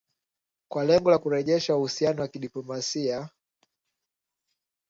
kwa lengo la kurejesha uhusiano wa kidiplomasia